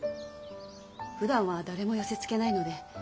ふだんは誰も寄せつけないので。